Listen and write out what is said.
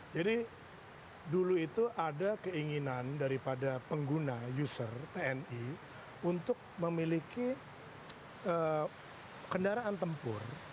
jadi dulu itu ada keinginan daripada pengguna user tni untuk memiliki kendaraan tempur